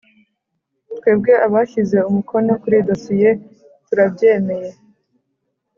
Twebwe abashyize umukono kuri dosiye turabyemeye